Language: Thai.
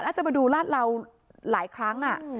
น่าจะมาดูร้านเราหลายครั้งอ่ะ